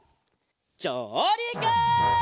じょうりく！